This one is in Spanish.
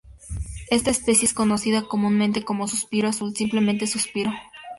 Esta especie es conocida comúnmente como 'Suspiro azul' simplemente 'Suspiro'.